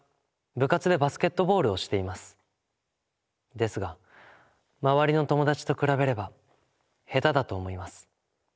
ですが周りの友達と比べれば下手だと思います。